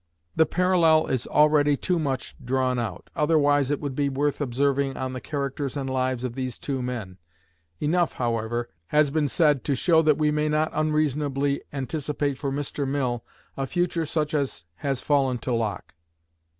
The parallel is already too much drawn out, otherwise it would be worth observing on the characters and lives of these two men. Enough, however, has been said to show that we may not unreasonably anticipate for Mr. Mill a future such as has fallen to Locke.